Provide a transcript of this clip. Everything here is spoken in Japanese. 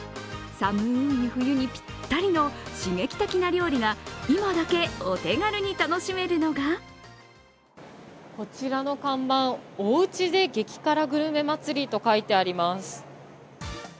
寒い冬にぴったりの刺激的な料理が今だけお手軽に楽しめるのがこちらの看板「おうちで激辛グルメ祭り」と書いてあります